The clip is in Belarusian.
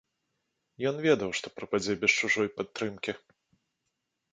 Ён ведаў, што прападзе без чужой падтрымкі.